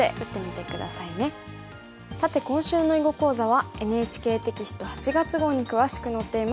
さて今週の囲碁講座はＮＨＫテキスト８月号に詳しく載っています。